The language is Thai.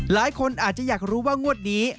หลายคนอาจจะอยากรู้ว่างวดนี้